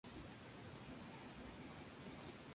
El Grupo B participará en el Grupo Liguilla del Descenso.